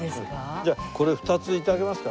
じゃあこれ２つ頂けますか？